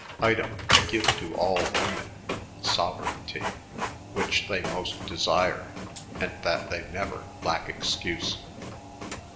Item, I geue to I all Women, eonereygntee, which they most desyre; & that they nener lacke excuse.